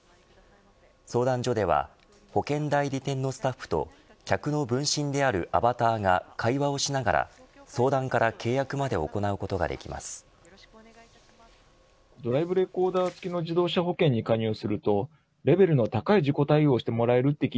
相談所では保険代理店のスタッフと客の分身であるアバターが会話をしながら相談から契約まで行うことができます。